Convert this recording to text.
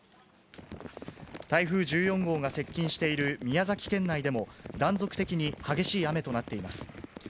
台風１４号が接近している宮崎県内でも、断続的に激しい雨となっています。